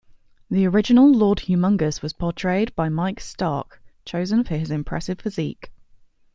The original Lord Humongous was portrayed by Mike Stark, chosen for his impressive physique.